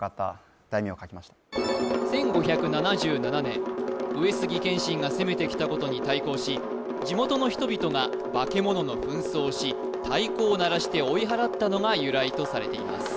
１５７７年上杉謙信が攻めてきたことに対抗し地元の人々が化け物のふん装をし太鼓を鳴らして追い払ったのが由来とされています